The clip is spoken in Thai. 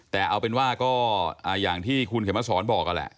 แต่เอาเป็นว่าก็อย่างที่คุณเข็มมาสอนบอกนั่นแหละ